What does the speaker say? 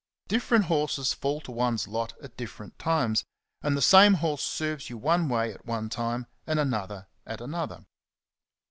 Different horses fall to one's lot at different times, and the same horse serves you one way at one time and another at another.